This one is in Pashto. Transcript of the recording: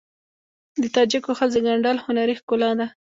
د تاجکو ښځو ګنډل هنري ښکلا ده.